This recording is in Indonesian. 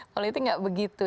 politik gak begitu